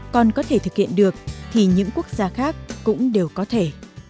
còn có thể thực hiện được thì những quốc gia khác cũng đều có thể